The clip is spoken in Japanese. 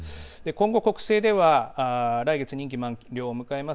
今後国政では来月任期満了を迎えます